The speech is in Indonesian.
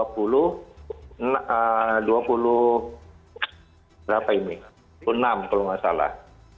dua puluh enam kalau nggak salah